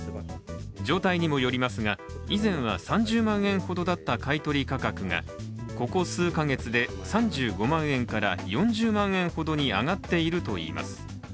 状態にもよりますが以前は３０万円ほどだった買い取り価格が、ここ数カ月で３５万円から４０万円ほどに上がっているといいます。